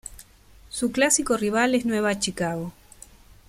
Su clásico rival es Nueva Chicago.